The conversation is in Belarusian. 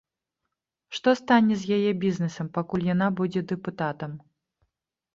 Што стане з яе бізнесам, пакуль яна будзе дэпутатам?